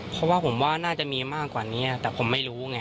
เพราะว่าผมว่าน่าจะมีมากกว่านี้แต่ผมไม่รู้ไง